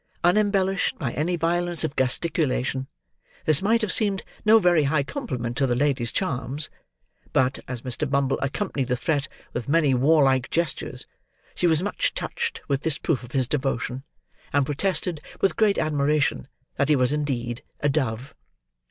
Unembellished by any violence of gesticulation, this might have seemed no very high compliment to the lady's charms; but, as Mr. Bumble accompanied the threat with many warlike gestures, she was much touched with this proof of his devotion, and protested, with great admiration, that he was indeed a dove.